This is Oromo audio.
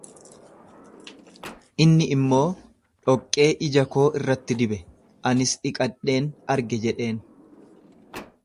Inni immoo, Dhoqqee ija koo irratti dibe, anis dhiqadheen arge jedheen.